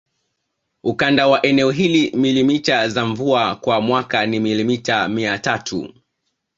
Ukanda wa eneo hili milimita za mvua kwa mwaka ni milimita mia tatu